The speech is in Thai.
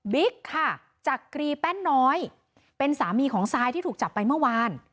ค่ะจักรีแป้นน้อยเป็นสามีของซายที่ถูกจับไปเมื่อวาน